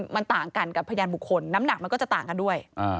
มันต่างกันกับพยานบุคคลน้ำหนักมันก็จะต่างกันด้วย